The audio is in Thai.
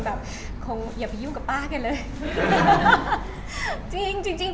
ก็คงอย่าไปยู่มกับป้ากันเลย